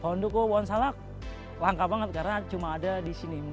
pohon duku pohon salak langka banget karena cuma ada di sini mungkin